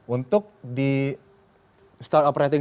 untuk di startup rating